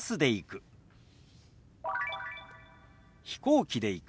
「飛行機で行く」。